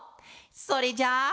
それじゃあ。